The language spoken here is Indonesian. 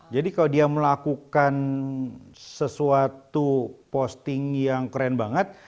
jadi kalau dia melakukan sesuatu posting yang keren banget